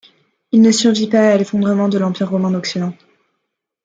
Il ne survit pas à l'effondrement de l'Empire romain d'Occident.